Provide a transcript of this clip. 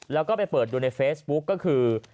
แล้วก็ไปเปิดดูในเฟซบุ๊กก็คือ